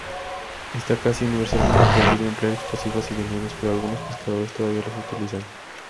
Esta casi universalmente prohibido emplear explosivos y venenos, pero algunos pescadores todavía los utilizan.